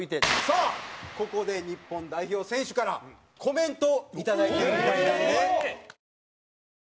さあここで日本代表選手からコメントをいただいてるみたいなので。